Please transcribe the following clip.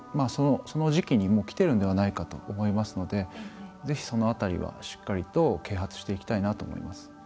その時期にもうきてるのではないかと思いますのでぜひ、その辺りは、しっかりと啓発していきたいなと思います。